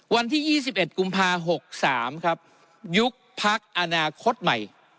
วันที่ยี่สิบเอ็ดกุมภาหกสามครับยุคพักอนาคตใหม่